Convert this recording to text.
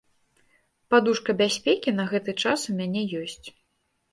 Падушка бяспекі на гэты час у мяне ёсць.